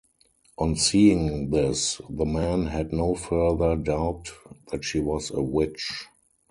On seeing this the men had no further doubt that she was a witch.